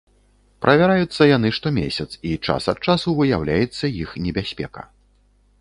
Правяраюцца яны штомесяц, і час ад часу выяўляецца іх небяспека.